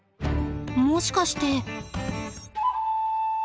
もしかして？